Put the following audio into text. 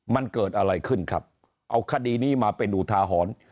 มันเกิดอะไรขึ้นครับเอาคดีนี้มาเป็นอุทาหรณ์